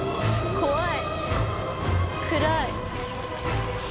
怖い。